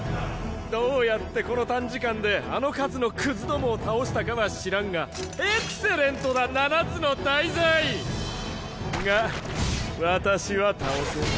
どうやってこの短時間であの数のクズどもを倒したかは知らんがエクセレントだ七つの大罪！が私は倒せん。